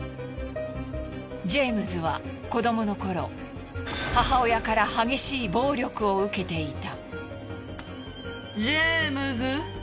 ジェームズは子どもの頃母親から激しい暴力を受けていた。